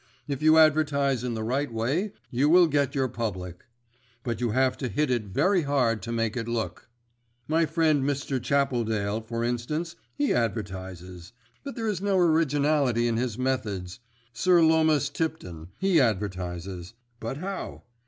If you advertise in the right way, you will get your public; but you have to hit it very hard to make it look. My friend Mr. Chappledale, for instance, he advertises; but there is no originality in his methods. Sir Lomas Tipton, he advertises; but how?